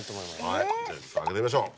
はいじゃあ開けてみましょう。